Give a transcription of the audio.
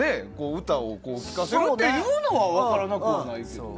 歌を聴かせるというのは分からなくないけど。